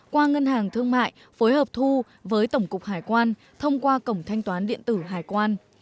qua ngân hàng thương mại phối hợp thu với tổng cục hải quan thông qua cổng thanh toán điện tử hải quan